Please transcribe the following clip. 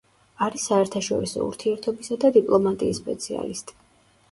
არის საერთაშორისო ურთიერთობისა და დიპლომატიის სპეციალისტი.